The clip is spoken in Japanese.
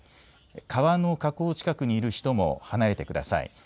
川の河口近くにいる人も離れてください。